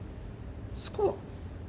スコア？